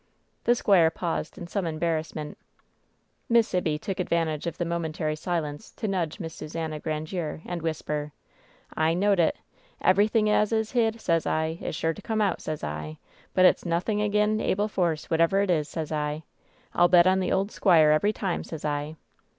The squire paused in some embarrassment WHEN SHADOWS DIE 867 Miss Sibby took advantage of the momentary silence to nud^ Miss Susannah Grandiere and whisper : "I knowed it. Everything as is hid, sez I, is sure to come out, sez I; but it's nothing ag'in Abel Force, what ever it is, sez I. I'll bet on the old squire every time, sez I."